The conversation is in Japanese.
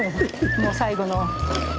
もう最後の。